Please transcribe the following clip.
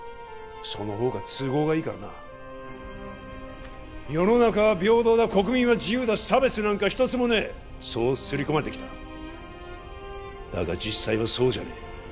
その方が都合がいいからな世の中は平等だ国民は自由だ差別なんか一つもねえそうすり込まれてきただが実際はそうじゃねえ